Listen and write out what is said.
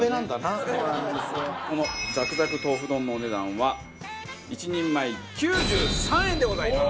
このザクザク豆腐丼のお値段は１人前９３円でございます。